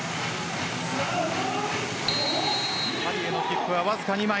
パリへの切符はわずか２枚。